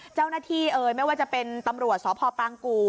เจ้าหน้าที่เอ่ยไม่ว่าจะเป็นตำรวจสพปรางกู่